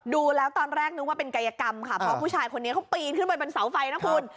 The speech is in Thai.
ดูแล้วตอนแรกนึกว่าเป็นกายกรรมค่ะเพราะผู้ชายคนนี้เขาปีนขึ้นไปบนเสาไฟนะคุณ